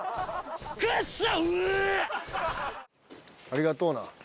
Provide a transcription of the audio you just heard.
ありがとうな。